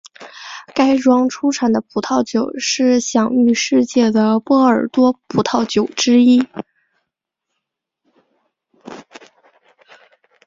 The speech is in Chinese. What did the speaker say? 该庄出产的葡萄酒是享誉世界的波尔多葡萄酒之一。